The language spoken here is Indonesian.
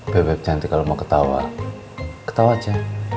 beb beb cantik kalau mau ketawa ketawa aja